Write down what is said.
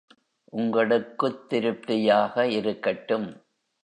உங்களுக்குத் திருப்தியாக இருக்கட்டும்.